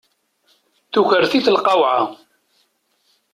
Tukert-it lqawɛa.